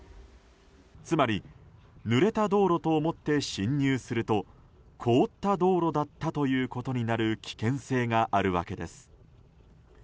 つまり、ぬれた道路と思って進入すると凍った道路だったということになる危険性があるわけです。